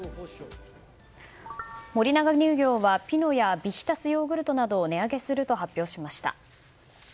森永乳業はピノやビヒダスヨーグルトなどを値上げすると発表しました。